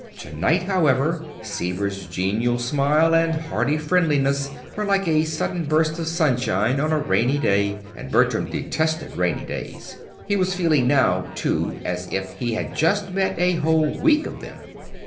To night, however, Seaver's genial smile and hearty friendliness were like a sudden burst of sunshine on a rainy day and Bertram detested rainy days. He was feeling now, too, as if he had just had a whole week of them.